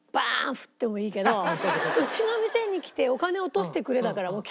振ってもいいけど「うちの店に来てお金を落としてくれ」だから。